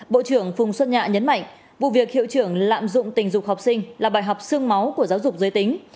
bộ trưởng phùng xuân nhạ nhấn mạnh vụ việc hiệu trưởng lạm dụng tình dục học sinh là bài học sương máu của giáo dục giới tính